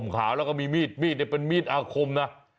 ขาวแล้วก็มีมีดมีดเป็นมีดอาคมนะ